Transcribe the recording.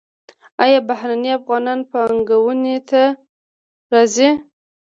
آیا بهرنی افغانان پانګونې ته راځي؟